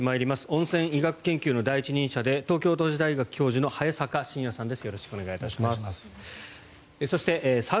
温泉医学研究の第一人者で東京都市大学教授の早坂信哉さんです。